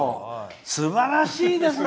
すばらしいですね